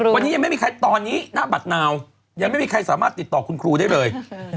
วันนี้ยังไม่มีใครตอนนี้หน้าบัตรนาวยังไม่มีใครสามารถติดต่อคุณครูได้เลย